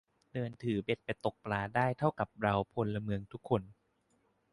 เดินถือเบ็ดไปตกปลาได้เท่ากับเราพลเมืองทุกคน